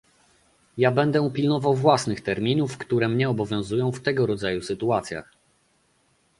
Ja będę pilnował własnych terminów, które mnie obowiązują w tego rodzaju sytuacjach